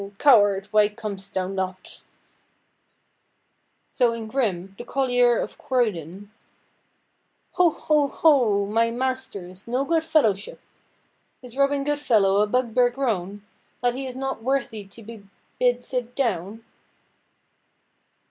Coward, why com'st thou not?" So in Grim, the Collier of Croydon:— "Ho, ho, ho! my masters! No good fellowship! Is Robin Goodfellow a bugbear grown, That he is not worthy to be bid sit down?"